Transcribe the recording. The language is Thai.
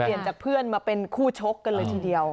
จากเพื่อนมาเป็นคู่ชกกันเลยทีเดียว